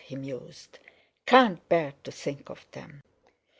he mused; "Can't bear to think of them!"